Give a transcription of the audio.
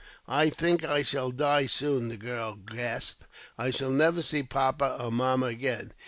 "I think I shall die soon," the girl gasped. "I shall never see papa or mamma again.